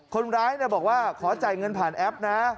คนร้ายบอกว่าขอจ่ายเงินผ่านแอปนะ